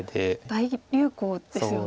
大流行ですよね。